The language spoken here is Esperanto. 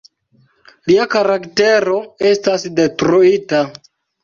Lia karaktero estas detruita.